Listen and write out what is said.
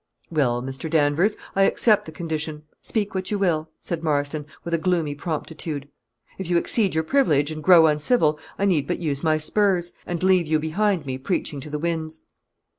"Well, Mr. Danvers, I accept the condition speak what you will," said Marston, with a gloomy promptitude. "If you exceed your privilege, and grow uncivil, I need but use my spurs, and leave you behind me preaching to the winds."